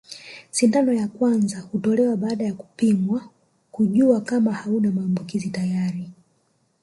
Sindano ya kwanza hutolewa baada ya kupimwa kujua kama hauna maambukizi tayari